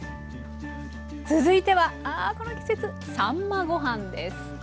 続いてはああこの季節さんまご飯です。